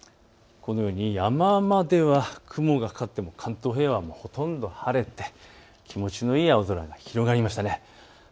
このように山までは雲がかかっていますが、関東平野は晴れて気持ちのいい青空が広がりました。